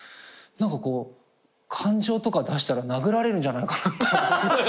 何かこう感情とか出したら殴られるんじゃないかな。